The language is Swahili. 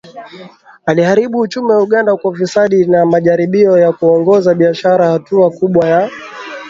Aliharibu uchumi wa Uganda kwa ufisadi na majaribio ya kuongoza biashara Hatua kubwa ya